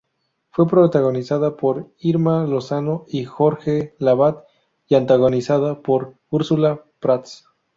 Fue protagonizada por Irma Lozano y Jorge Lavat, y antagonizada por Úrsula Prats.